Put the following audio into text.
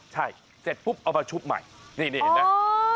ใช่เสร็จปุ๊บเอามาชุบใหม่นี่เห็นไหม